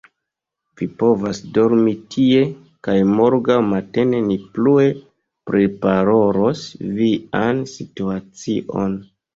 Vi povas dormi tie, kaj morgaŭ matene ni plue priparolos vian situacion.